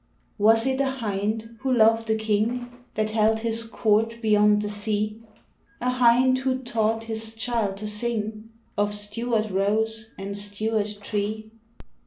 Was it a hind who loved the king That held his court beyond the sea, A hind who taught his child to sing Of Stuart rose and Stuart tree?